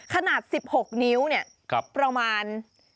ขนาด๑๖นิ้วเนี่ยประมาณ